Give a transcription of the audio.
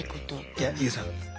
いやＹＯＵさん